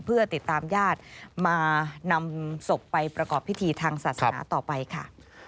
เพื่อติดตามญาติมานำศพไปประกอบพิธีทางศาสนาต่อไปค่ะ